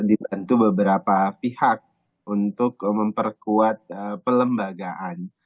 dibantu beberapa pihak untuk memperkuat pelembagaan